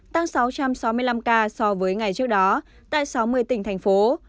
tăng sáu trăm sáu mươi năm ca so với ngày trước đó tại sáu mươi tỉnh thành phố